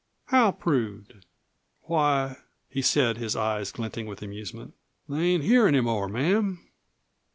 "How proved?" "Why," he said, his eyes glinting with amusement, "they ain't here any more, ma'am."